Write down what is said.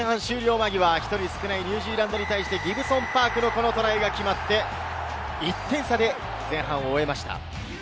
１人少ないニュージーランドにギブソン＝パークのトライが決まって、１点差で前半を終えました。